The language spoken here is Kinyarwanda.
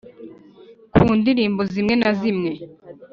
ku ndirimbo zimwe na zimwe